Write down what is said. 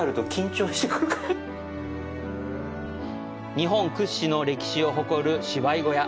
日本屈指の歴史を誇る芝居小屋。